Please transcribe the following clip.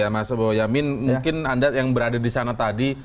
mas boyamin mungkin anda yang berada di sana tadi